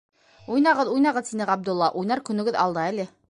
— Уйнағыҙ, уйнағыҙ, - тине Ғабдулла, - уйнар көнөгөҙ алда әле.